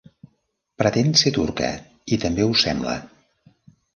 Pretén ser turca, i també ho sembla.